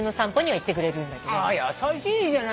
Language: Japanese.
優しいじゃない。